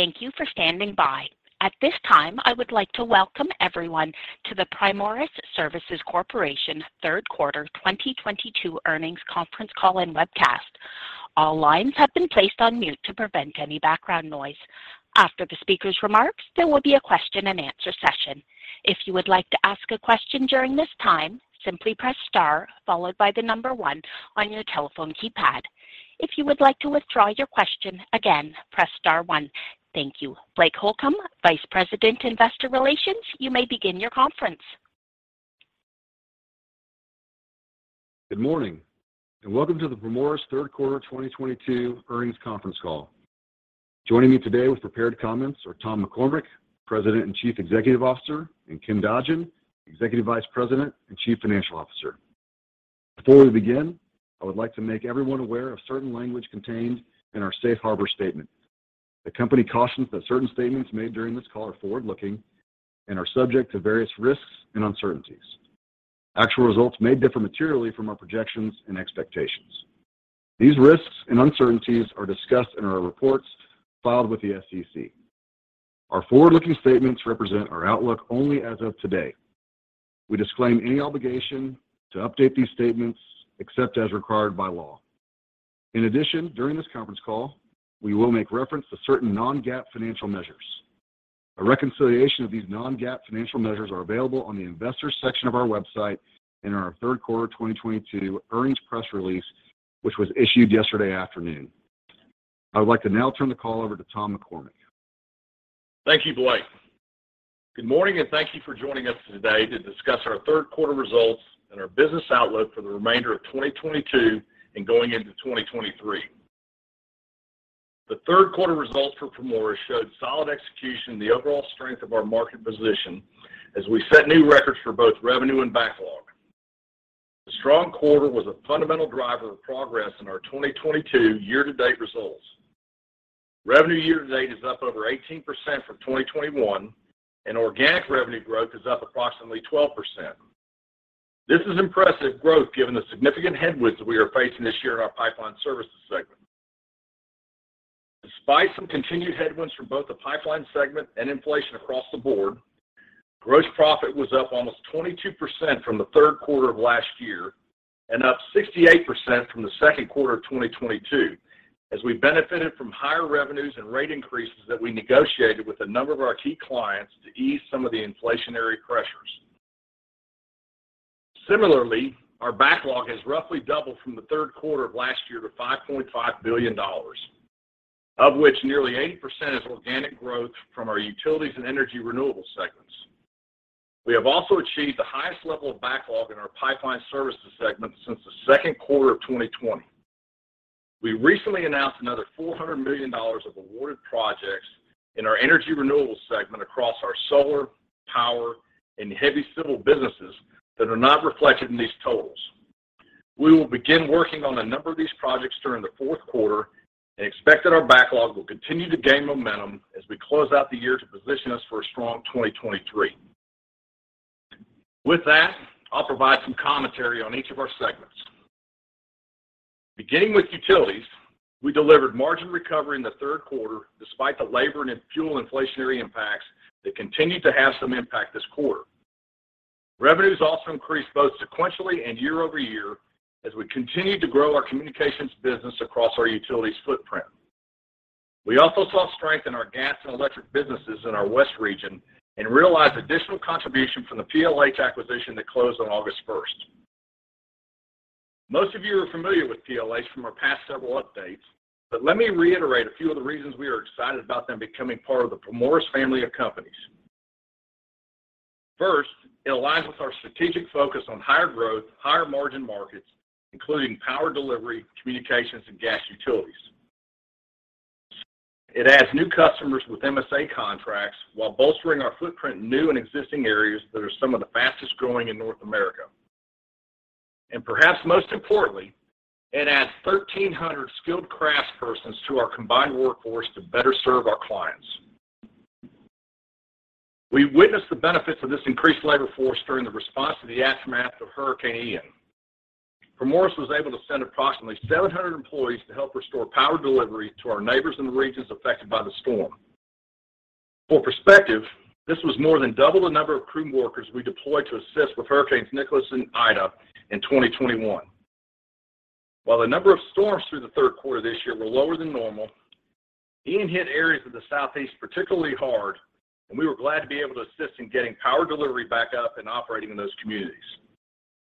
Thank you for standing by. At this time, I would like to welcome everyone to the Primoris Services Corporation third quarter 2022 earnings conference call and webcast. All lines have been placed on mute to prevent any background noise. After the speaker's remarks, there will be a question and answer session. If you would like to ask a question during this time, simply press star followed by the number 1 on your telephone keypad. If you would like to withdraw your question, again, press star 1. Thank you. Blake Holcomb, Vice President, Investor Relations, you may begin your conference. Good morning, and welcome to the Primoris third quarter 2022 earnings conference call. Joining me today with prepared comments are Tom McCormick, President and Chief Executive Officer, and Ken Dodgen, Executive Vice President and Chief Financial Officer. Before we begin, I would like to make everyone aware of certain language contained in our safe harbor statement. The company cautions that certain statements made during this call are forward-looking and are subject to various risks and uncertainties. Actual results may differ materially from our projections and expectations. These risks and uncertainties are discussed in our reports filed with the SEC. Our forward-looking statements represent our outlook only as of today. We disclaim any obligation to update these statements except as required by law. In addition, during this conference call, we will make reference to certain non-GAAP financial measures. A reconciliation of these non-GAAP financial measures are available on the investors section of our website in our third quarter 2022 earnings press release, which was issued yesterday afternoon. I would like to now turn the call over to Tom McCormick. Thank you, Blake. Good morning, and thank you for joining us today to discuss our third quarter results and our business outlook for the remainder of 2022 and going into 2023. The third quarter results for Primoris showed solid execution and the overall strength of our market position as we set new records for both revenue and backlog. The strong quarter was a fundamental driver of progress in our 2022 year-to-date results. Revenue year-to-date is up over 18% from 2021, and organic revenue growth is up approximately 12%. This is impressive growth given the significant headwinds that we are facing this year in our pipeline services segment. Despite some continued headwinds from both the pipeline segment and inflation across the board, gross profit was up almost 22% from the third quarter of last year and up 68% from the second quarter of 2022 as we benefited from higher revenues and rate increases that we negotiated with a number of our key clients to ease some of the inflationary pressures. Similarly, our backlog has roughly doubled from the third quarter of last year to $5.5 billion, of which nearly 80% is organic growth from our utilities and energy renewable segments. We have also achieved the highest level of backlog in our pipeline services segment since the second quarter of 2020. We recently announced another $400 million of awarded projects in our energy renewables segment across our solar, power, and heavy civil businesses that are not reflected in these totals. We will begin working on a number of these projects during the fourth quarter and expect that our backlog will continue to gain momentum as we close out the year to position us for a strong 2023. With that, I'll provide some commentary on each of our segments. Beginning with utilities, we delivered margin recovery in the third quarter despite the labor and fuel inflationary impacts that continued to have some impact this quarter. Revenues also increased both sequentially and year-over-year as we continued to grow our communications business across our utilities footprint. We also saw strength in our gas and electric businesses in our West region and realized additional contribution from the PLH acquisition that closed on August 1. Most of you are familiar with PLH from our past several updates, but let me reiterate a few of the reasons we are excited about them becoming part of the Primoris family of companies. First, it aligns with our strategic focus on higher growth, higher margin markets, including Power Delivery, Communications, and Gas Utilities. It adds new customers with MSA contracts while bolstering our footprint in new and existing areas that are some of the fastest-growing in North America. Perhaps most importantly, it adds 1,300 skilled craftspersons to our combined workforce to better serve our clients. We witnessed the benefits of this increased labor force during the response to the aftermath of Hurricane Ian. Primoris was able to send approximately 700 employees to help restore power delivery to our neighbors in the regions affected by the storm. For perspective, this was more than double the number of crew workers we deployed to assist with Hurricane Nicholas and Hurricane Ida in 2021. While the number of storms through the third quarter this year were lower than normal, Hurricane Ian hit areas of the Southeast particularly hard, and we were glad to be able to assist in getting power delivery back up and operating in those communities.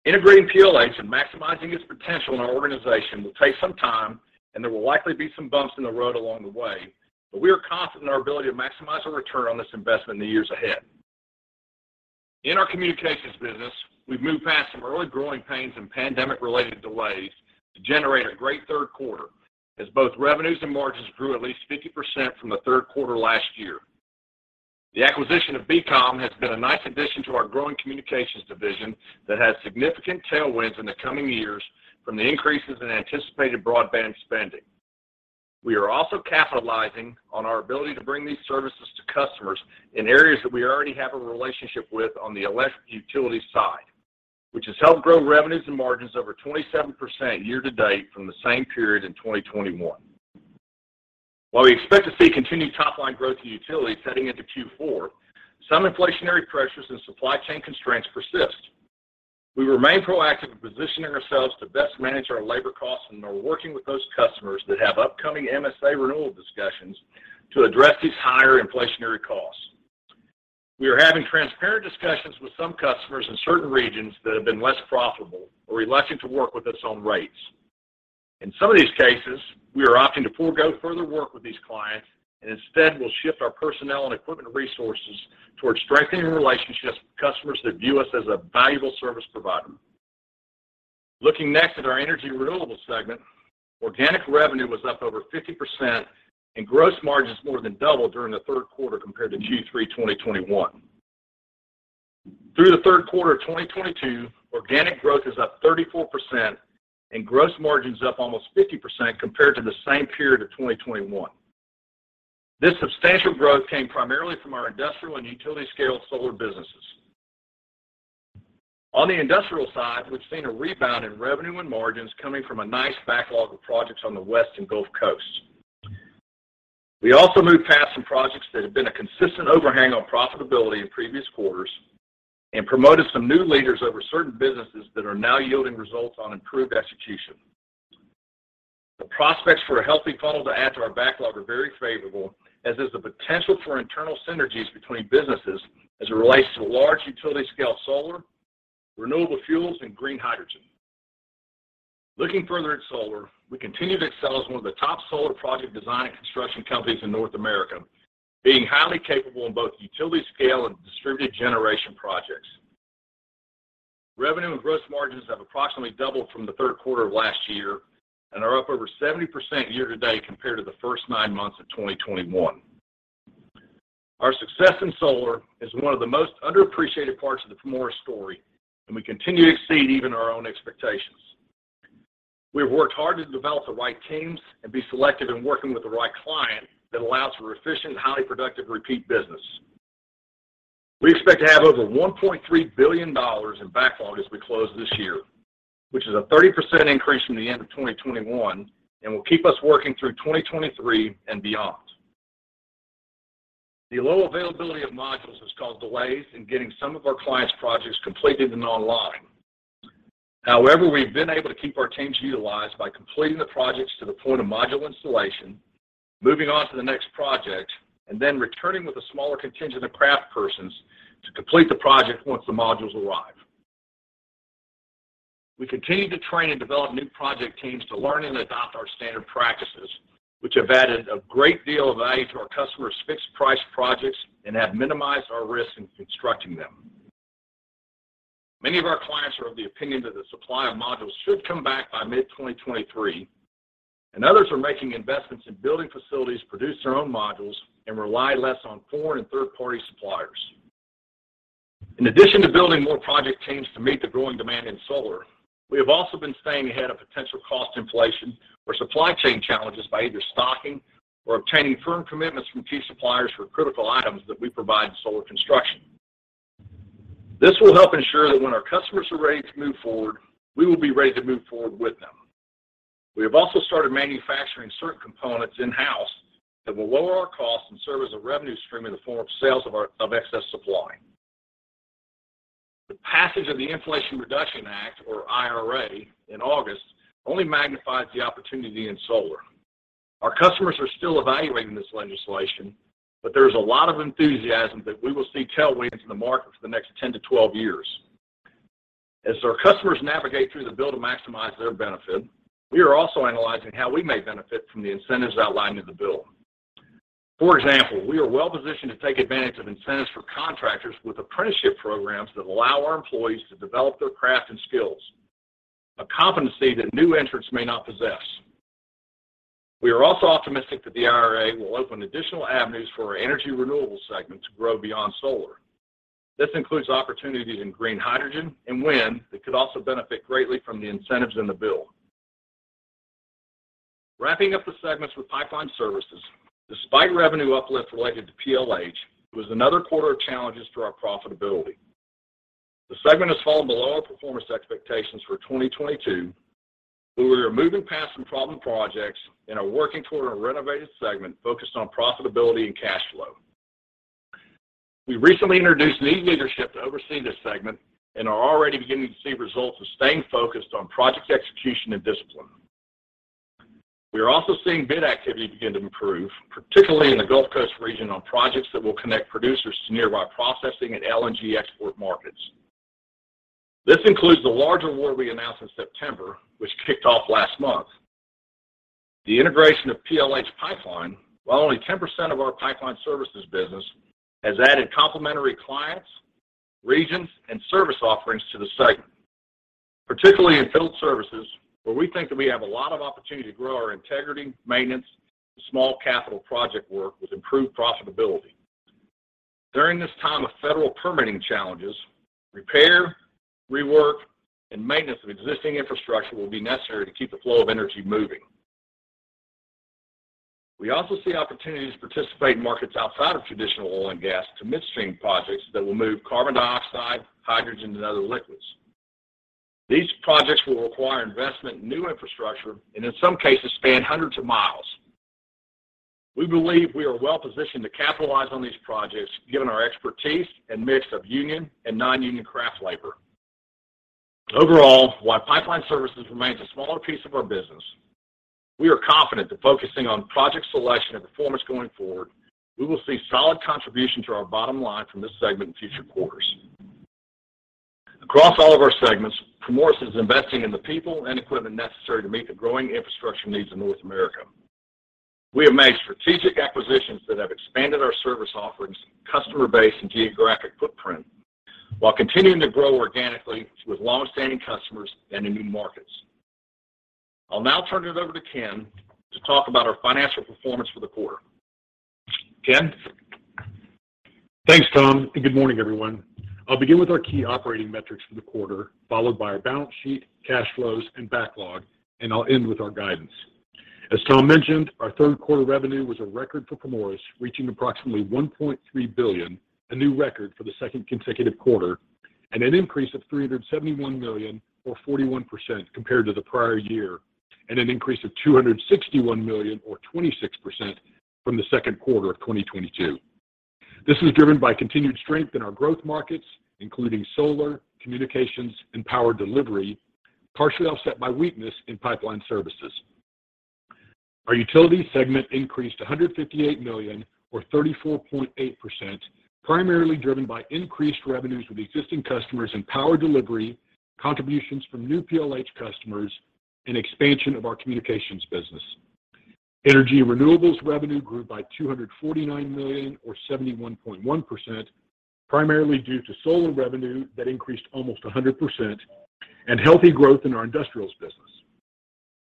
Integrating PLH and maximizing its potential in our organization will take some time, and there will likely be some bumps in the road along the way. We are confident in our ability to maximize our return on this investment in the years ahead. In our communications business, we've moved past some early growing pains and pandemic-related delays to generate a great third quarter as both revenues and margins grew at least 50% from the third quarter last year. The acquisition of BCOM has been a nice addition to our growing communications division that has significant tailwinds in the coming years from the increases in anticipated broadband spending. We are also capitalizing on our ability to bring these services to customers in areas that we already have a relationship with on the electric utility side, which has helped grow revenues and margins over 27% year to date from the same period in 2021. While we expect to see continued top-line growth in utility heading into Q4, some inflationary pressures and supply chain constraints persist. We remain proactive in positioning ourselves to best manage our labor costs, and are working with those customers that have upcoming MSA renewal discussions to address these higher inflationary costs. We are having transparent discussions with some customers in certain regions that have been less profitable or reluctant to work with us on rates. In some of these cases, we are opting to forego further work with these clients, and instead will shift our personnel and equipment resources towards strengthening relationships with customers that view us as a valuable service provider. Looking next at our energy renewables segment, organic revenue was up over 50% and gross margins more than doubled during the third quarter compared to Q3 2021. Through the third quarter of 2022, organic growth is up 34% and gross margins up almost 50% compared to the same period of 2021. This substantial growth came primarily from our industrial and utility-scale solar businesses. On the industrial side, we've seen a rebound in revenue and margins coming from a nice backlog of projects on the West and Gulf Coasts. We also moved past some projects that have been a consistent overhang on profitability in previous quarters and promoted some new leaders over certain businesses that are now yielding results on improved execution. The prospects for a healthy funnel to add to our backlog are very favorable, as is the potential for internal synergies between businesses as it relates to large utility-scale solar, renewable fuels, and green hydrogen. Looking further at solar, we continue to excel as one of the top solar project design and construction companies in North America, being highly capable in both utility-scale and distributed generation projects. Revenue and gross margins have approximately doubled from the third quarter of last year and are up over 70% year to date compared to the first nine months of 2021. Our success in solar is one of the most underappreciated parts of the Primoris story, and we continue to exceed even our own expectations. We have worked hard to develop the right teams and be selective in working with the right client that allows for efficient, highly productive repeat business. We expect to have over $1.3 billion in backlog as we close this year, which is a 30% increase from the end of 2021 and will keep us working through 2023 and beyond. The low availability of modules has caused delays in getting some of our clients' projects completed and online. However, we've been able to keep our teams utilized by completing the projects to the point of module installation, moving on to the next project, and then returning with a smaller contingent of craftspersons to complete the project once the modules arrive. We continue to train and develop new project teams to learn and adopt our standard practices, which have added a great deal of value to our customers' fixed-price projects and have minimized our risk in constructing them. Many of our clients are of the opinion that the supply of modules should come back by mid-2023, and others are making investments in building facilities to produce their own modules and rely less on foreign and third-party suppliers. In addition to building more project teams to meet the growing demand in solar, we have also been staying ahead of potential cost inflation or supply chain challenges by either stocking or obtaining firm commitments from key suppliers for critical items that we provide in solar construction. This will help ensure that when our customers are ready to move forward, we will be ready to move forward with them. We have also started manufacturing certain components in-house that will lower our costs and serve as a revenue stream in the form of sales of excess supply. The passage of the Inflation Reduction Act, or IRA, in August only magnifies the opportunity in solar. Our customers are still evaluating this legislation, but there's a lot of enthusiasm that we will see tailwinds in the market for the next 10-12 years. As our customers navigate through the bill to maximize their benefit, we are also analyzing how we may benefit from the incentives outlined in the bill. For example, we are well-positioned to take advantage of incentives for contractors with apprenticeship programs that allow our employees to develop their craft and skills, a competency that new entrants may not possess. We are also optimistic that the IRA will open additional avenues for our energy renewables segment to grow beyond solar. This includes opportunities in green hydrogen and wind that could also benefit greatly from the incentives in the bill. Wrapping up the segments with pipeline services. Despite revenue uplift related to PLH Group, it was another quarter of challenges to our profitability. The segment has fallen below our performance expectations for 2022, but we are moving past some problem projects and are working toward a renovated segment focused on profitability and cash flow. We recently introduced new leadership to oversee this segment and are already beginning to see results of staying focused on project execution and discipline. We are also seeing bid activity begin to improve, particularly in the Gulf Coast region on projects that will connect producers to nearby processing and LNG export markets. This includes the large award we announced in September, which kicked off last month. The integration of PLH Group, while only 10% of our pipeline services business, has added complementary clients, regions, and service offerings to the segment, particularly in field services, where we think that we have a lot of opportunity to grow our integrity, maintenance, and small capital project work with improved profitability. During this time of federal permitting challenges, repair, rework, and maintenance of existing infrastructure will be necessary to keep the flow of energy moving. We also see opportunities to participate in markets outside of traditional oil and gas to midstream projects that will move carbon dioxide, hydrogen, and other liquids. These projects will require investment in new infrastructure, and in some cases, span hundreds of miles. We believe we are well-positioned to capitalize on these projects, given our expertise and mix of union and non-union craft labor. Overall, while pipeline services remains a smaller piece of our business, we are confident that focusing on project selection and performance going forward, we will see solid contribution to our bottom line from this segment in future quarters. Across all of our segments, Primoris is investing in the people and equipment necessary to meet the growing infrastructure needs of North America. We have made strategic acquisitions that have expanded our service offerings, customer base, and geographic footprint while continuing to grow organically with long-standing customers and in new markets. I'll now turn it over to Ken to talk about our financial performance for the quarter. Ken? Thanks, Tom, and good morning, everyone. I'll begin with our key operating metrics for the quarter, followed by our balance sheet, cash flows, and backlog, and I'll end with our guidance. As Tom mentioned, our third quarter revenue was a record for Primoris, reaching approximately $1.3 billion, a new record for the second consecutive quarter, and an increase of $371 million or 41% compared to the prior year, and an increase of $261 million or 26% from the second quarter of 2022. This was driven by continued strength in our growth markets, including solar, communications, and power delivery, partially offset by weakness in pipeline services. Our utility segment increased $158 million or 34.8%, primarily driven by increased revenues with existing customers in Power Delivery, contributions from new PLH customers, and expansion of our Communications business. Energy renewables revenue grew by $249 million or 71.1%, primarily due to solar revenue that increased almost 100% and healthy growth in our industrials business.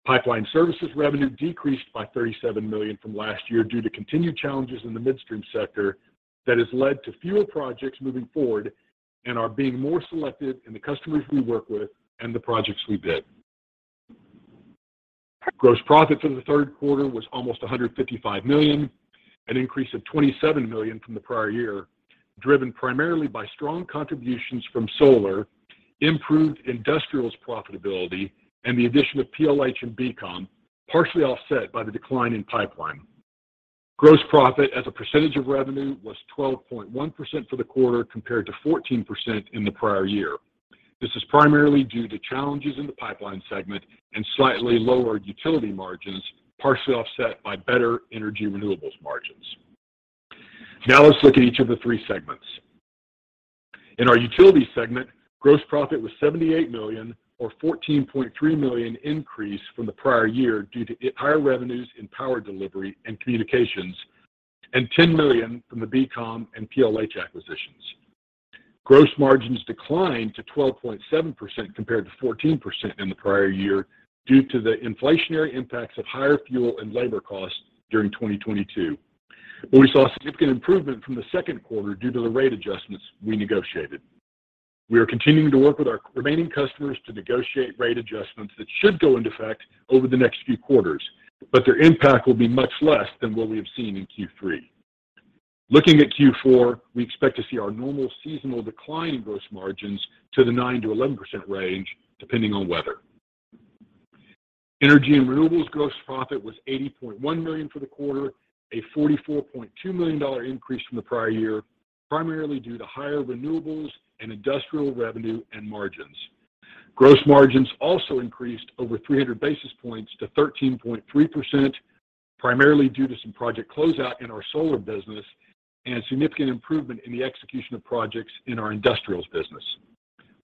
Pipeline services revenue decreased by $37 million from last year due to continued challenges in the midstream sector that has led to fewer projects moving forward and we're being more selective in the customers we work with and the projects we bid. Gross profit for the third quarter was almost $155 million, an increase of $27 million from the prior year, driven primarily by strong contributions from solar, improved industrials profitability, and the addition of PLH and BCOM, partially offset by the decline in pipeline. Gross profit as a percentage of revenue was 12.1% for the quarter compared to 14% in the prior year. This is primarily due to challenges in the pipeline segment and slightly lower utility margins, partially offset by better energy renewables margins. Now let's look at each of the three segments. In our utility segment, gross profit was $78 million or $14.3 million increase from the prior year due to higher revenues in power delivery and communications and $10 million from the BCOM and PLH acquisitions. Gross margins declined to 12.7% compared to 14% in the prior year due to the inflationary impacts of higher fuel and labor costs during 2022. We saw significant improvement from the second quarter due to the rate adjustments we negotiated. We are continuing to work with our remaining customers to negotiate rate adjustments that should go into effect over the next few quarters. Their impact will be much less than what we have seen in Q3. Looking at Q4, we expect to see our normal seasonal decline in gross margins to the 9%-11% range, depending on weather. Energy and renewables gross profit was $80.1 million for the quarter, a $44.2 million increase from the prior year, primarily due to higher renewables and industrial revenue and margins. Gross margins also increased over 300 basis points to 13.3%, primarily due to some project closeout in our solar business and significant improvement in the execution of projects in our industrials business.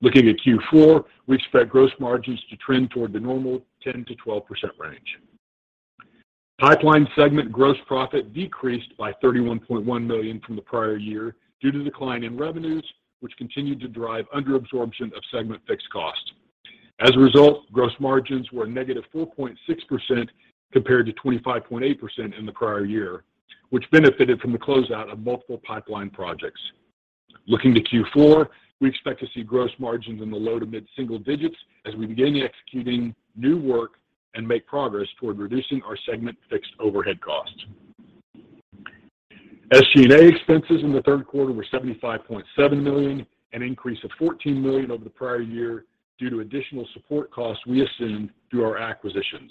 Looking at Q4, we expect gross margins to trend toward the normal 10%-12% range. Pipeline segment gross profit decreased by $31.1 million from the prior year due to decline in revenues, which continued to drive under absorption of segment fixed costs. As a result, gross margins were -4.6% compared to 25.8% in the prior year, which benefited from the closeout of multiple pipeline projects. Looking to Q4, we expect to see gross margins in the low to mid-single digits as we begin executing new work and make progress toward reducing our segment fixed overhead costs. SG&A expenses in the third quarter were $75.7 million, an increase of $14 million over the prior year due to additional support costs we assumed through our acquisitions.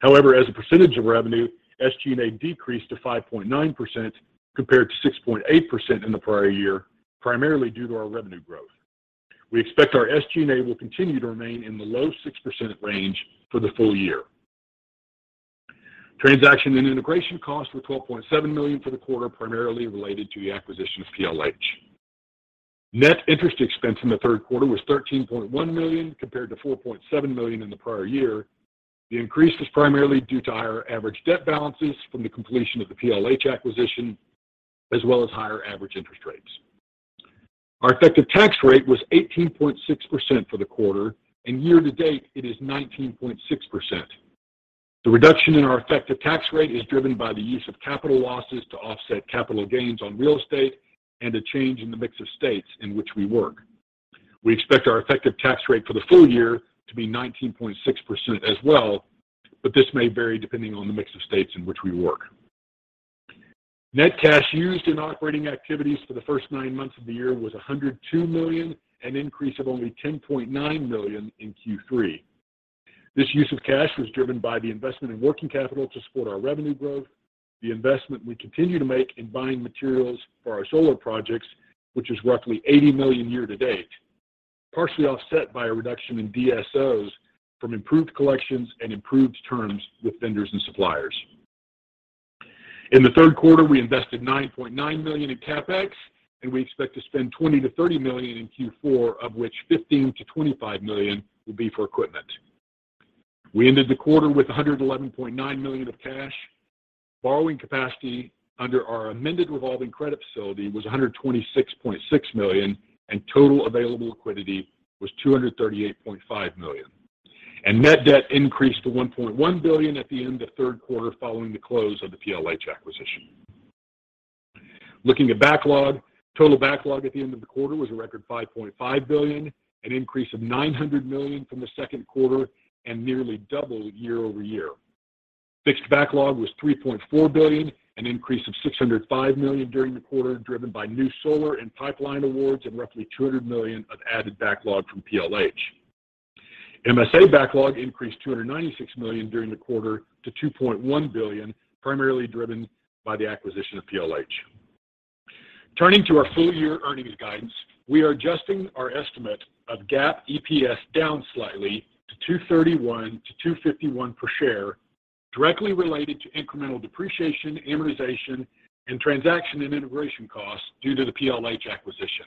However, as a percentage of revenue, SG&A decreased to 5.9% compared to 6.8% in the prior year, primarily due to our revenue growth. We expect our SG&A will continue to remain in the low 6% range for the full year. Transaction and integration costs were $12.7 million for the quarter, primarily related to the acquisition of PLH. Net interest expense in the third quarter was $13.1 million compared to $4.7 million in the prior year. The increase was primarily due to higher average debt balances from the completion of the PLH acquisition, as well as higher average interest rates. Our effective tax rate was 18.6% for the quarter, and year to date, it is 19.6%. The reduction in our effective tax rate is driven by the use of capital losses to offset capital gains on real estate and a change in the mix of states in which we work. We expect our effective tax rate for the full year to be 19.6% as well, but this may vary depending on the mix of states in which we work. Net cash used in operating activities for the first nine months of the year was $102 million, an increase of only $10.9 million in Q3. This use of cash was driven by the investment in working capital to support our revenue growth, the investment we continue to make in buying materials for our solar projects, which is roughly $80 million year to date, partially offset by a reduction in DSOs from improved collections and improved terms with vendors and suppliers. In the third quarter, we invested $9.9 million in CapEx, and we expect to spend $20-$30 million in Q4, of which $15-$25 million will be for equipment. We ended the quarter with $111.9 million of cash. Borrowing capacity under our amended revolving credit facility was $126.6 million, and total available liquidity was $238.5 million. Net debt increased to $1.1 billion at the end of third quarter following the close of the PLH acquisition. Looking at backlog, total backlog at the end of the quarter was a record $5.5 billion, an increase of $900 million from the second quarter and nearly double year-over-year. Fixed backlog was $3.4 billion, an increase of $605 million during the quarter, driven by new solar and pipeline awards and roughly $200 million of added backlog from PLH. MSA backlog increased $296 million during the quarter to $2.1 billion, primarily driven by the acquisition of PLH. Turning to our full-year earnings guidance. We are adjusting our estimate of GAAP EPS down slightly to 2.31-2.51 per share, directly related to incremental depreciation, amortization, and transaction and integration costs due to the PLH acquisition.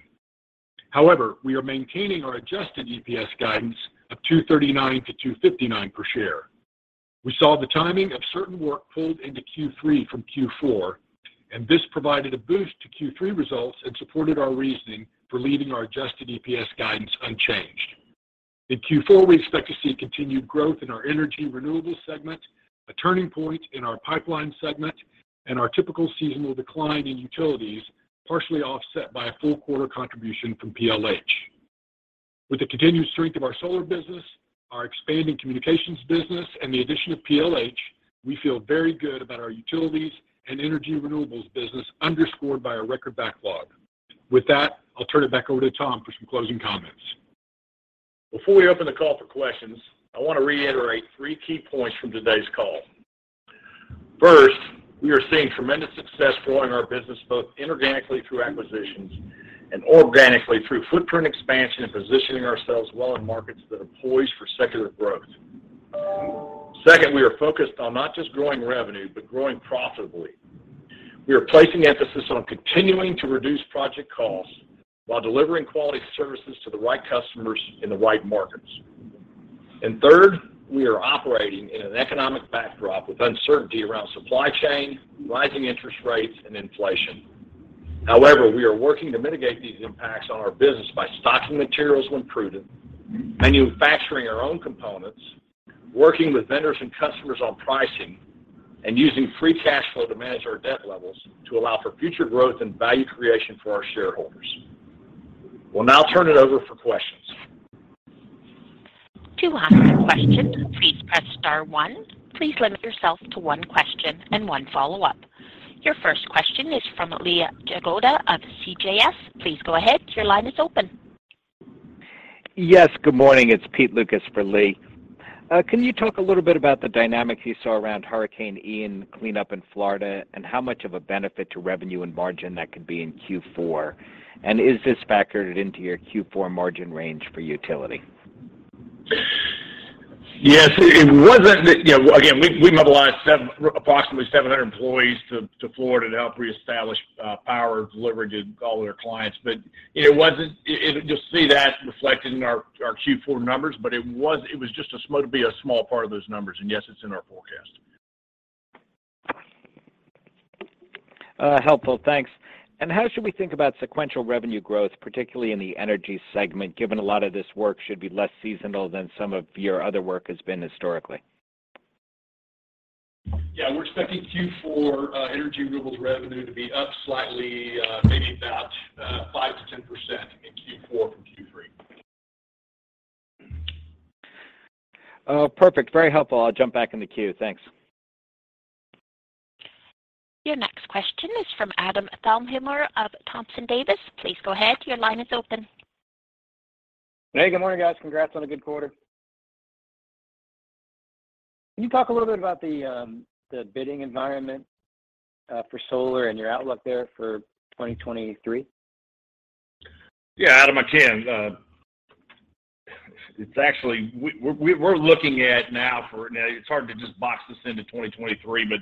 However, we are maintaining our adjusted EPS guidance of 2.39-2.59 per share. We saw the timing of certain work pulled into Q3 from Q4, and this provided a boost to Q3 results and supported our reasoning for leaving our adjusted EPS guidance unchanged. In Q4, we expect to see continued growth in our energy renewables segment, a turning point in our pipeline segment, and our typical seasonal decline in utilities, partially offset by a full quarter contribution from PLH. With the continued strength of our solar business, our expanding communications business, and the addition of PLH, we feel very good about our utilities and energy renewables business, underscored by our record backlog. With that, I'll turn it back over to Tom for some closing comments. Before we open the call for questions, I want to reiterate three key points from today's call. First, we are seeing tremendous success growing our business, both inorganically through acquisitions and organically through footprint expansion and positioning ourselves well in markets that are poised for secular growth. Second, we are focused on not just growing revenue, but growing profitably. We are placing emphasis on continuing to reduce project costs while delivering quality services to the right customers in the right markets. Third, we are operating in an economic backdrop with uncertainty around supply chain, rising interest rates, and inflation. However, we are working to mitigate these impacts on our business by stocking materials when prudent, manufacturing our own components, working with vendors and customers on pricing, and using free cash flow to manage our debt levels to allow for future growth and value creation for our shareholders. We'll now turn it over for questions. To ask a question, please press star one. Please limit yourself to one question and one follow-up. Your first question is from Lee Jagoda of CJS. Please go ahead. Your line is open. Yes, good morning. It's Pete Lukas for Lee. Can you talk a little bit about the dynamics you saw around Hurricane Ian cleanup in Florida and how much of a benefit to revenue and margin that could be in Q4? Is this factored into your Q4 margin range for utility? Yes, it wasn't. You know, again, we mobilized approximately 700 employees to Florida to help reestablish Power Delivery to all of their clients. It wasn't. You'll see that reflected in our Q4 numbers, but it was just a small part of those numbers. Yes, it's in our forecast. Helpful. Thanks. How should we think about sequential revenue growth, particularly in the energy segment, given a lot of this work should be less seasonal than some of your other work has been historically? Yeah, we're expecting Q4 energy renewables revenue to be up slightly, maybe about 5%-10% in Q4 from Q3. Oh, perfect. Very helpful. I'll jump back in the queue. Thanks. Your next question is from Adam Thalhimer of Thompson Davis. Please go ahead. Your line is open. Hey, good morning, guys. Congrats on a good quarter. Can you talk a little bit about the bidding environment for solar and your outlook there for 2023? Yeah, Adam, I can. It's actually we're looking at now. It's hard to just box this into 2023, but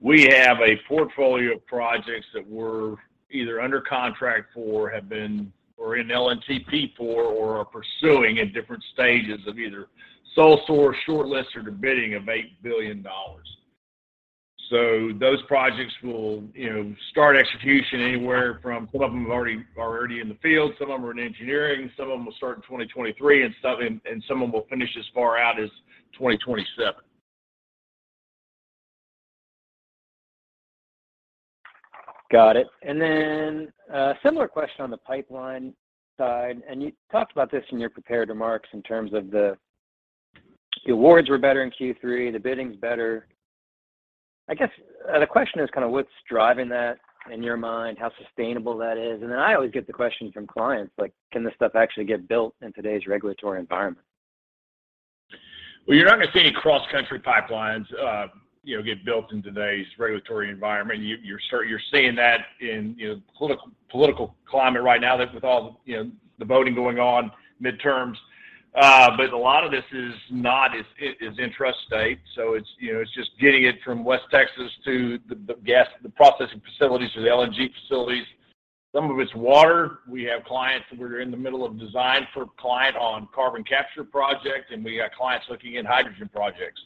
we have a portfolio of projects that we're either under contract for, have been or in LNTP for, or are pursuing at different stages of either sole source shortlists or the bidding of $8 billion. Those projects will, you know, start execution anywhere from some of them are already in the field, some of them are in engineering, some of them will start in 2023 and some of them will finish as far out as 2027. Got it. A similar question on the pipeline side, and you talked about this in your prepared remarks in terms of the awards were better in Q3, the bidding's better. I guess the question is kind of what's driving that in your mind, how sustainable that is. I always get the question from clients, like, can this stuff actually get built in today's regulatory environment? Well, you're not gonna see any cross-country pipelines, you know, get built in today's regulatory environment. You're seeing that in, you know, political climate right now that with all the, you know, the voting going on midterms. A lot of this is not as intrastate. It's, you know, it's just getting it from West Texas to the processing facilities or the LNG facilities. Some of it's water. We have clients that we're in the middle of design for a client on carbon capture project, and we got clients looking in hydrogen projects.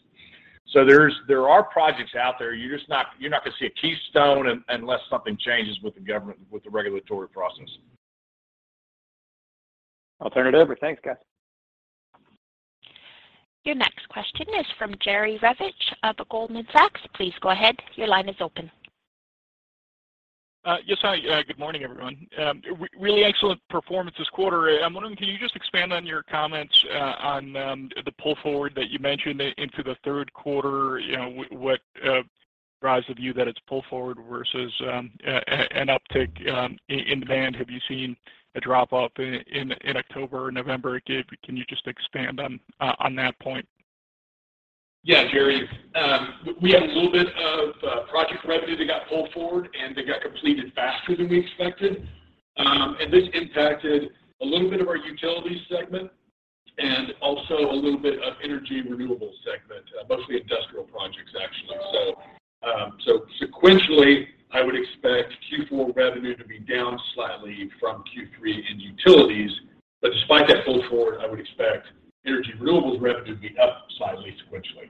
There are projects out there. You're just not gonna see a Keystone XL unless something changes with the government, with the regulatory process. Alternative. Thanks, guys. Your next question is from Jerry Revich of Goldman Sachs. Please go ahead. Your line is open. Yes. Hi. Good morning, everyone. Really excellent performance this quarter. I'm wondering, can you just expand on your comments on the pull forward that you mentioned into the third quarter? You know, what drives the view that it's pull forward versus an uptick in demand? Have you seen a drop off in October or November yet? Can you just expand on that point? Yeah. Jerry, we had a little bit of project revenue that got pulled forward, and that got completed faster than we expected. This impacted a little bit of our utility segment and also a little bit of energy renewables segment, mostly industrial projects, actually. Sequentially, I would expect Q4 revenue to be down slightly from Q3 in utilities. Despite that pull forward, I would expect energy renewables revenue to be up slightly sequentially.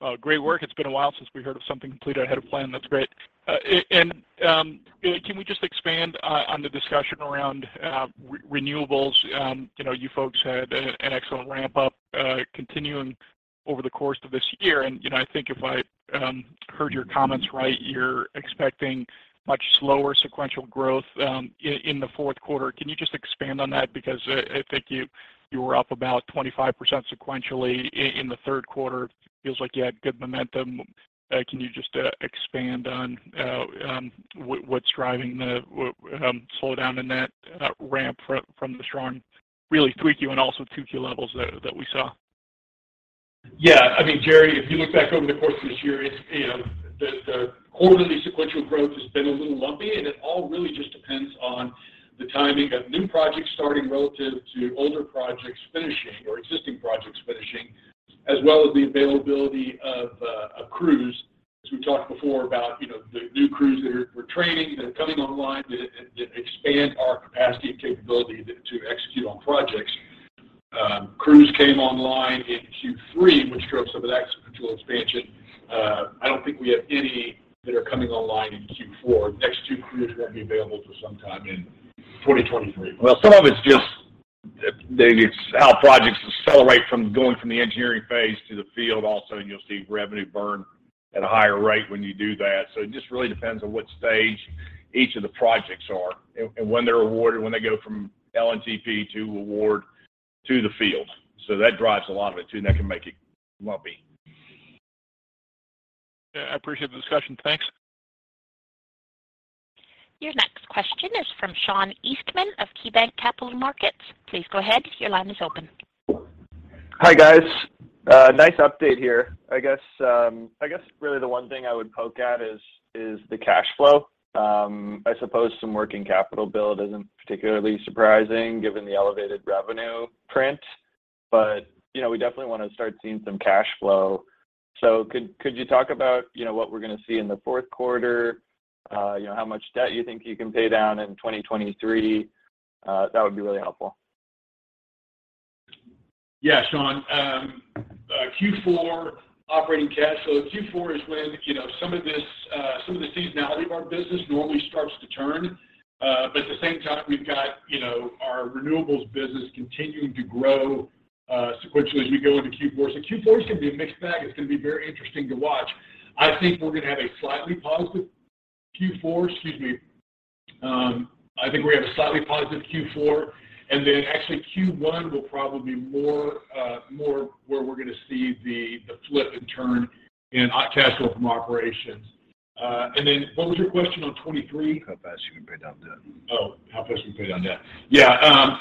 Well, great work. It's been a while since we heard of something completed ahead of plan. That's great. Can we just expand on the discussion around renewables? You know, you folks had an excellent ramp up, continuing over the course of this year. You know, I think if I heard your comments right, you're expecting much slower sequential growth in the fourth quarter. Can you just expand on that? Because I think you were up about 25% sequentially in the third quarter. It feels like you had good momentum. Can you just expand on what's driving the slowdown in that ramp from the strong, really 3Q and also 2Q levels that we saw? Yeah. I mean, Jerry, if you look back over the course of this year, it's, you know, the quarterly sequential growth has been a little lumpy, and it all really just depends on the timing of new projects starting relative to older projects finishing or existing projects finishing, as well as the availability of crews. As we talked before about, you know, the new crews that we're training, that are coming online that expand our capacity and capability to execute on projects. Crews came online in Q3, which drove some of that sequential expansion. I don't think we have any that are coming online in Q4. Next two crews won't be available till sometime in 2023. Well, some of it's just that it's how projects accelerate from going from the engineering phase to the field. Also, you'll see revenue burn at a higher rate when you do that. It just really depends on what stage each of the projects are and when they're awarded, when they go from LNTP to award to the field. That drives a lot of it too, and that can make it lumpy. Yeah, I appreciate the discussion. Thanks. Your next question is from Sean Eastman of KeyBanc Capital Markets. Please go ahead. Your line is open. Hi, guys. Nice update here. I guess really the one thing I would poke at is the cash flow. I suppose some working capital build isn't particularly surprising given the elevated revenue print. You know, we definitely wanna start seeing some cash flow. Could you talk about, you know, what we're gonna see in the fourth quarter? You know, how much debt you think you can pay down in 2023? That would be really helpful. Yeah. Sean, Q4 operating cash. Q4 is when, you know, some of the seasonality of our business normally starts to turn. At the same time, we've got, you know, our renewables business continuing to grow, sequentially as we go into Q4. Q4 is gonna be a mixed bag. It's gonna be very interesting to watch. I think we're gonna have a slightly positive Q4, and then actually Q1 will probably be more where we're gonna see the flip and turn in op cash flow from operations. What was your question on 2023? How fast you can pay down debt. Oh, how fast we pay down debt. Yeah.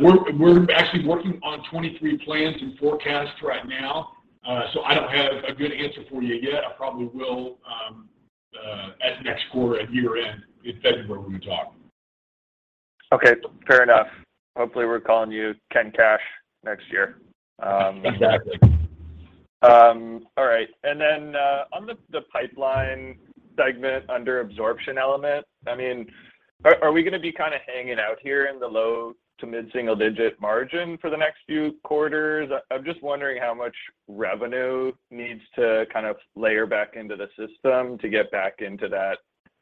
We're actually working on 2023 plans and forecasts right now. I don't have a good answer for you yet. I probably will at next quarter at year-end in February when we talk. Okay, fair enough. Hopefully, we're calling you Ken Dodgen next year. Exactly. All right. On the pipeline segment under absorption element, I mean, are we gonna be kinda hanging out here in the low- to mid-single-digit margin for the next few quarters? I'm just wondering how much revenue needs to kind of layer back into the system to get back into that,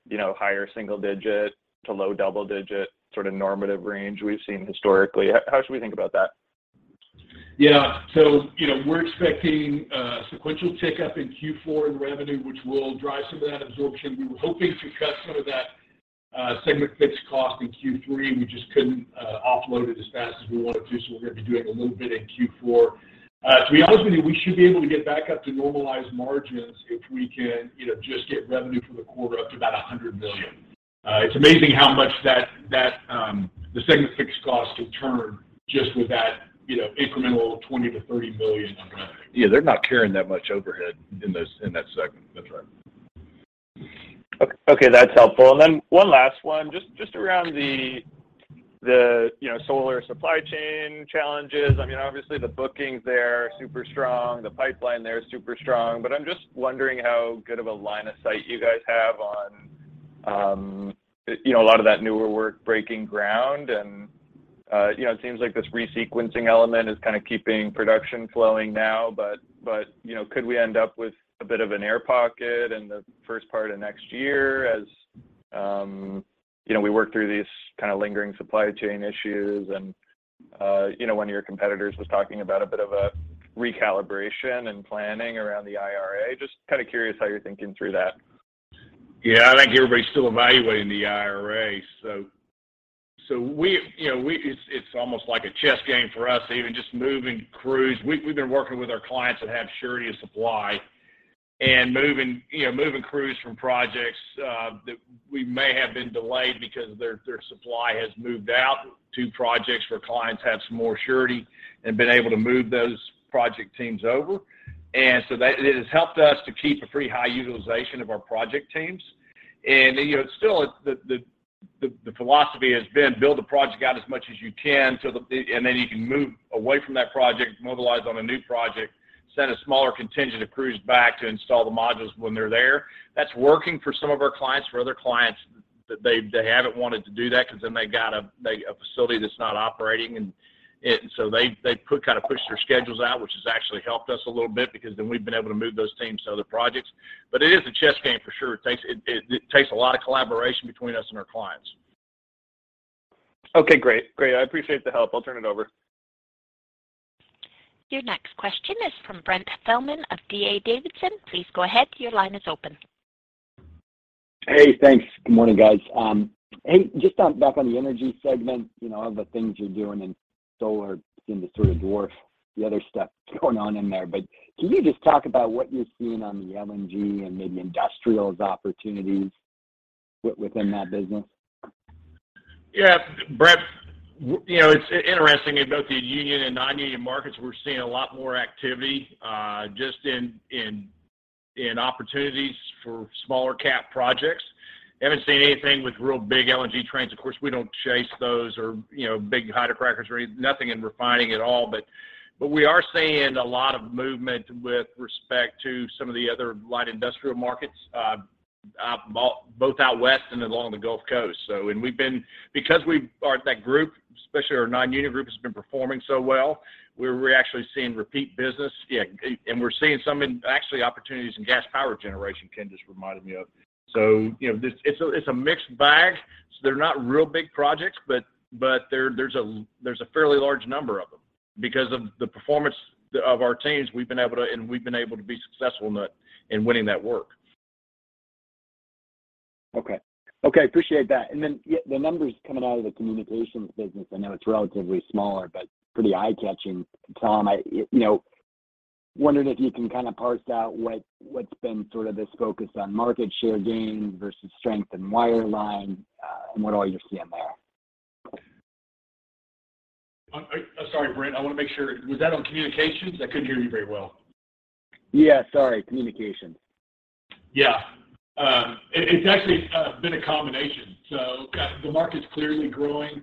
you know, higher single-digit to low double-digit sorta normative range we've seen historically. How should we think about that? Yeah. You know, we're expecting a sequential tick-up in Q4 in revenue, which will drive some of that absorption. We were hoping to cut some of that, segment fixed cost in Q3, and we just couldn't, offload it as fast as we wanted to, so we're going to be doing a little bit in Q4. We should be able to get back up to normalized margins if we can, you know, just get revenue for the quarter up to about $100 million. It's amazing how much that the segment fixed cost can turn just with that, you know, incremental $20 million-$30 million in revenue. Yeah. They're not carrying that much overhead in that segment. That's right. Okay, that's helpful. One last one. Just around the you know, solar supply chain challenges. I mean, obviously the bookings there are super strong, the pipeline there is super strong, but I'm just wondering how good of a line of sight you guys have on, you know, a lot of that newer work breaking ground and, you know, it seems like this resequencing element is kind of keeping production flowing now, but you know, could we end up with a bit of an air pocket in the first part of next year as, you know, we work through these kind of lingering supply chain issues and, you know, one of your competitors was talking about a bit of a recalibration and planning around the IRA. Just kind of curious how you're thinking through that. Yeah. I think everybody's still evaluating the IRA. It's almost like a chess game for us, even just moving crews. We've been working with our clients that have surety of supply and moving crews from projects that we may have been delayed because their supply has moved out to projects where clients have some more surety and been able to move those project teams over. That has helped us to keep a pretty high utilization of our project teams. You know, it's still the philosophy has been build the project out as much as you can so that, and then you can move away from that project, mobilize on a new project, send a smaller contingent of crews back to install the modules when they're there. That's working for some of our clients. For other clients, they haven't wanted to do that because then they got a facility that's not operating, and so they kind of pushed their schedules out, which has actually helped us a little bit because then we've been able to move those teams to other projects. It is a chess game for sure. It takes a lot of collaboration between us and our clients. Okay, great. I appreciate the help. I'll turn it over. Your next question is from Brent Thielman of D.A. Davidson. Please go ahead. Your line is open. Hey, thanks. Good morning, guys. Hey, just back on the energy segment, you know, all the things you're doing in solar seem to sort of dwarf the other stuff going on in there. Can you just talk about what you're seeing on the LNG and maybe industrials opportunities within that business? Yeah. Brent, you know, it's interesting. In both the union and non-union markets, we're seeing a lot more activity just in opportunities for small-cap projects. Haven't seen anything with real big LNG trains. Of course, we don't chase those or, you know, big hydrocrackers or anything. Nothing in refining at all, but we are seeing a lot of movement with respect to some of the other light industrial markets both out west and along the Gulf Coast. That group, especially our non-union group, has been performing so well, we're actually seeing repeat business. Yeah, and we're seeing some actually opportunities in gas power generation, Ken just reminded me of. You know, it's a mixed bag. They're not real big projects, but there's a fairly large number of them. Because of the performance of our teams, we've been able to be successful in winning that work. Okay, appreciate that. Yeah, the numbers coming out of the communications business, I know it's relatively smaller, but pretty eye-catching, Tom. I, you know, wondering if you can kind of parse out what's been sort of this focus on market share gains versus strength in wireline, and what all you're seeing there. Sorry, Brent, I want to make sure. Was that on Communications? I couldn't hear you very well. Yeah. Sorry, Communications. It's actually been a combination. The market's clearly growing.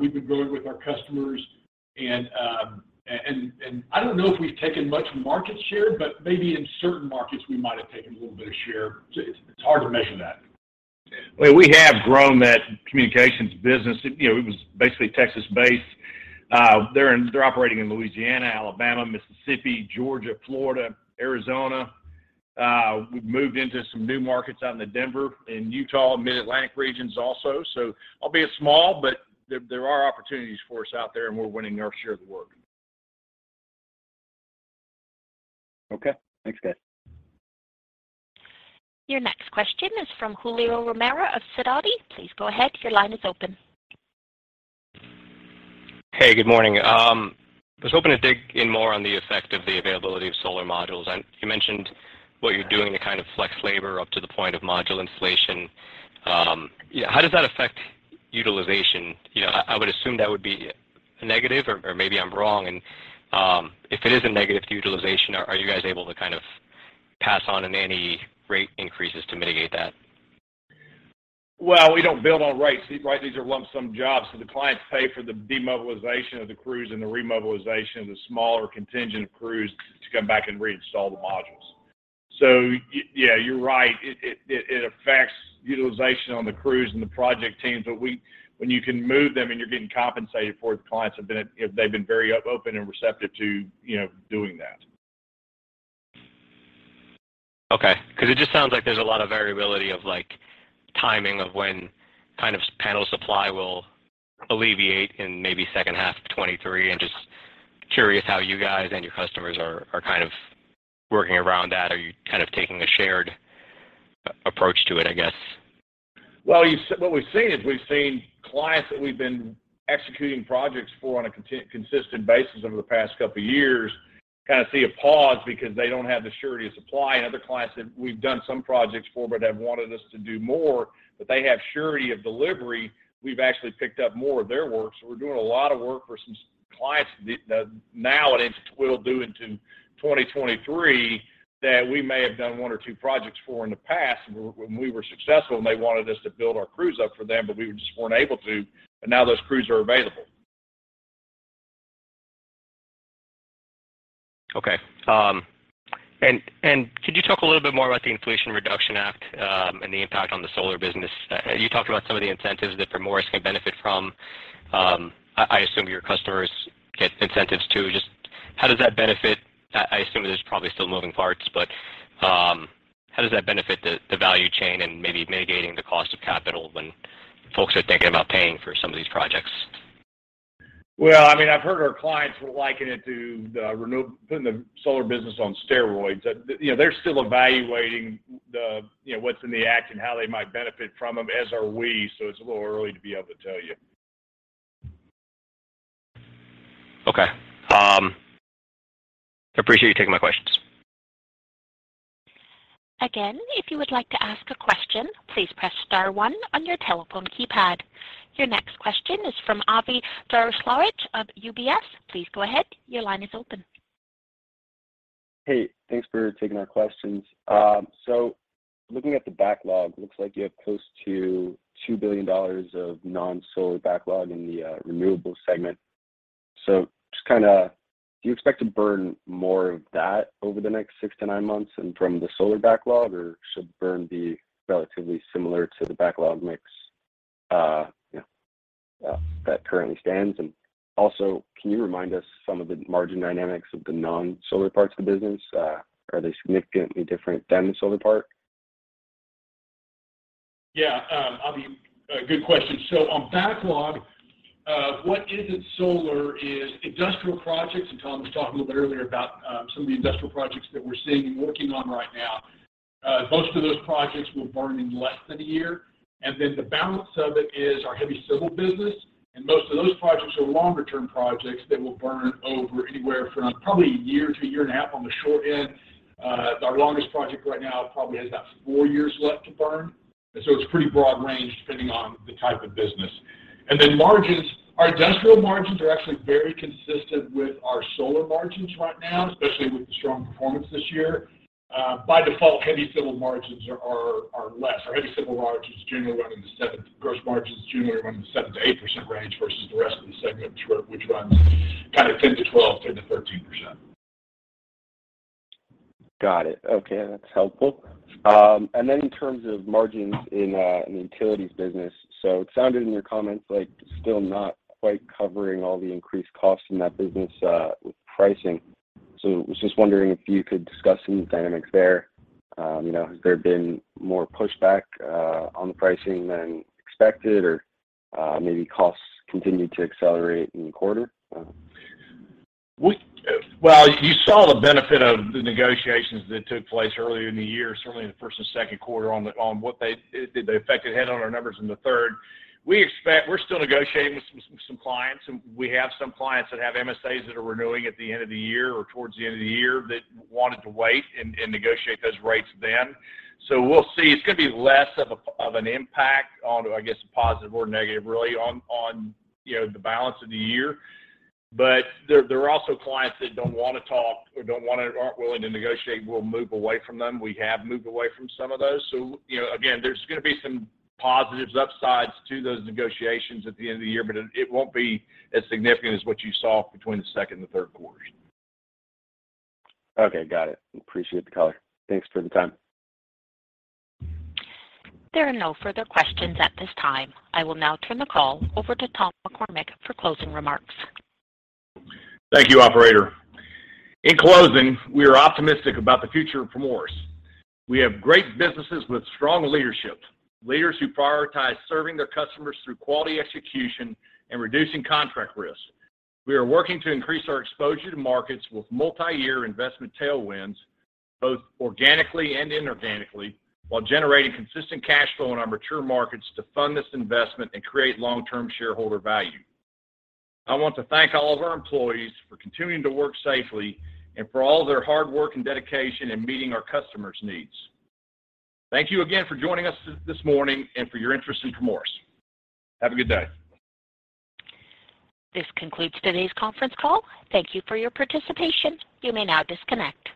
We've been growing with our customers and I don't know if we've taken much market share, but maybe in certain markets we might have taken a little bit of share. It's hard to measure that. Well, we have grown that communications business. You know, it was basically Texas-based. They're operating in Louisiana, Alabama, Mississippi, Georgia, Florida, Arizona. We've moved into some new markets out in the Denver and Utah, Mid-Atlantic regions also. Albeit small, but there are opportunities for us out there, and we're winning our share of the work. Okay. Thanks, guys. Your next question is from Julio Romero of Sidoti. Please go ahead. Your line is open. Hey, good morning. I was hoping to dig in more on the effect of the availability of solar modules. You mentioned what you're doing to kind of flex labor up to the point of module installation. Yeah, how does that affect utilization? You know, I would assume that would be a negative or maybe I'm wrong. If it is a negative to utilization, are you guys able to kind of pass on any rate increases to mitigate that? Well, we don't build on rates. Right? These are lump sum jobs, so the clients pay for the demobilization of the crews and the remobilization of the smaller contingent crews to come back and reinstall the modules. Yeah, you're right. It affects utilization on the crews and the project teams, but when you can move them and you're getting compensated for it, the clients have been, they've been very open and receptive to, you know, doing that. 'Cause it just sounds like there's a lot of variability of like timing of when kind of panel supply will alleviate in maybe second half of 2023. Just curious how you guys and your customers are kind of working around that. Are you kind of taking a shared approach to it, I guess? Well, what we've seen is we've seen clients that we've been executing projects for on a consistent basis over the past couple years kind of see a pause because they don't have the surety of supply. Other clients that we've done some projects for, but have wanted us to do more, but they have surety of delivery, we've actually picked up more of their work. We're doing a lot of work for some clients that now and into we'll do into 2023 that we may have done one or two projects for in the past when we were successful, and they wanted us to build our crews up for them, but we just weren't able to, but now those crews are available. Okay. Could you talk a little bit more about the Inflation Reduction Act, and the impact on the solar business? You talked about some of the incentives that Primoris can benefit from. I assume your customers get incentives too. I assume there's probably still moving parts, but how does that benefit the value chain and maybe mitigating the cost of capital when folks are thinking about paying for some of these projects? Well, I mean, I've heard our clients liken it to putting the solar business on steroids. You know, they're still evaluating what's in the act and how they might benefit from them, as are we, so it's a little early to be able to tell you. Okay. I appreciate you taking my questions. Again, if you would like to ask a question, please press star one on your telephone keypad. Your next question is from Avi Jaroslawicz of UBS. Please go ahead. Your line is open. Hey, thanks for taking our questions. Looking at the backlog, looks like you have close to $2 billion of non-solar backlog in the renewables segment. Just kinda do you expect to burn more of that over the next 6 to 9 months and from the solar backlog, or should burn be relatively similar to the backlog mix, you know, that currently stands? Also can you remind us some of the margin dynamics of the non-solar parts of the business? Are they significantly different than the solar part? Yeah. Avi, good question. On backlog, what isn't solar is industrial projects, and Tom was talking a little bit earlier about some of the industrial projects that we're seeing and working on right now. Most of those projects will burn in less than a year, and then the balance of it is our heavy civil business, and most of those projects are longer term projects that will burn over anywhere from probably a year to a year and a half on the short end. Our longest project right now probably has about 4 years left to burn, and so it's pretty broad range depending on the type of business. Margins, our industrial margins are actually very consistent with our solar margins right now, especially with the strong performance this year. By default, heavy civil margins are less. Our heavy civil margins generally run in the 7%-8% range versus the rest of the segment, which runs kind of 10% to 12% to 13%. Got it. Okay. That's helpful. In terms of margins in the utilities business, it sounded in your comments like still not quite covering all the increased costs in that business with pricing. Was just wondering if you could discuss any of the dynamics there. You know, has there been more pushback on the pricing than expected, or maybe costs continued to accelerate in the quarter? Well, you saw the benefit of the negotiations that took place earlier in the year, certainly in the first and second quarter on the effect it had on our numbers in the third. We're still negotiating with some clients, and we have some clients that have MSAs that are renewing at the end of the year or towards the end of the year that wanted to wait and negotiate those rates then. We'll see. It's gonna be less of an impact on, I guess, a positive or negative really on, you know, the balance of the year. There are also clients that don't wanna talk or aren't willing to negotiate. We'll move away from them. We have moved away from some of those. you know, again, there's gonna be some positives, upsides to those negotiations at the end of the year, but it won't be as significant as what you saw between the second and the third quarter. Okay. Got it. Appreciate the color. Thanks for the time. There are no further questions at this time. I will now turn the call over to Tom McCormick for closing remarks. Thank you, operator. In closing, we are optimistic about the future of Primoris. We have great businesses with strong leadership, leaders who prioritize serving their customers through quality execution and reducing contract risk. We are working to increase our exposure to markets with multi-year investment tailwinds, both organically and inorganically, while generating consistent cash flow in our mature markets to fund this investment and create long-term shareholder value. I want to thank all of our employees for continuing to work safely and for all their hard work and dedication in meeting our customers' needs. Thank you again for joining us this morning and for your interest in Primoris. Have a good day. This concludes today's conference call. Thank you for your participation. You may now disconnect.